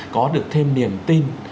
có được thêm niềm tin